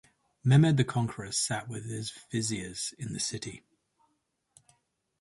Mehmed the Conqueror sat with his viziers in the city.